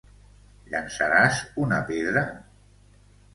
Llençaràs una pedra?